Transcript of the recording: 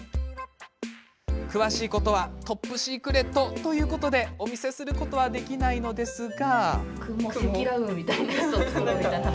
詳しいことはトップシークレットなのでお見せすることはできないのですが。